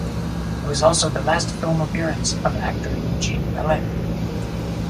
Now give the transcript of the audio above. It was also the last film appearance of actor Eugene Pallette.